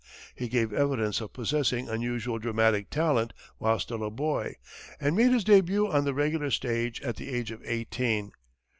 He gave evidence of possessing unusual dramatic talent while still a boy, and made his début on the regular stage at the age of eighteen.